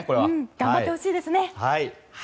頑張ってほしいですね。